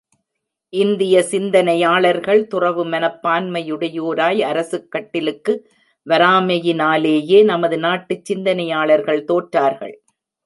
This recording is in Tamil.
இந்திய சிந்தனையாளர்கள் துறவு மனப் பான்மையுடையோராய், அரசுக் கட்டிலுக்கு வராமையினாலேயே நமது நாட்டுச் சிந்தனையாளர்கள் தோற்றார்கள்.